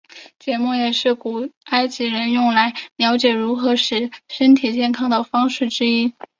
解梦也是古埃及人用来瞭解如何使身体健康的方法之一。